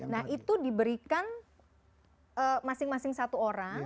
nah itu diberikan masing masing satu orang